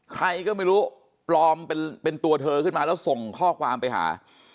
ใครก็ไม่รู้ปลอมเป็นตัวเธอขึ้นมาแล้วส่งข้อความไปหา